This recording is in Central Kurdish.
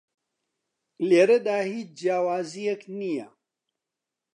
لێرەدا هیچ جیاوازییەک نییە